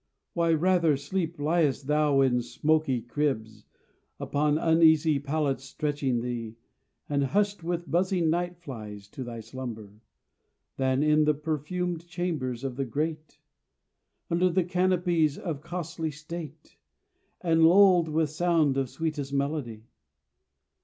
Why rather, sleep, liest thou in smoky cribs, Upon uneasy pallets stretching thee, And hushed with buzzing night flies to thy slumber, Than in the perfumed chambers of the great, Under the canopies of costly state, And lulled with sound of sweetest melody?